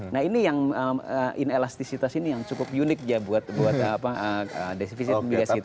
nah ini yang inelastisitas ini yang cukup unik ya buat desifisit migas kita